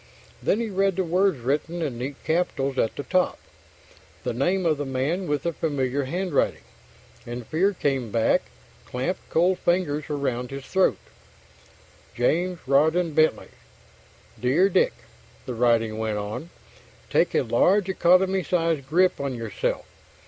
Then he read the words written in neat capitals at the top, the name of the man with the familiar handwriting, and fear came back, clamped cold fingers around his throat: James Rawdon Bentley Dear Dick, the writing went on, Take a large economy size grip on yourself.